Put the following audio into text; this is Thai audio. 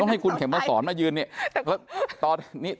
ให้คุณเข็มมาสอนมายืนเนี่ย